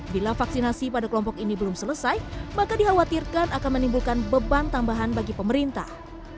bila vaksinasi pada kelompok ini belum selesai maka dikhawatirkan akan menimbulkan beban tambahan bagi pemerintah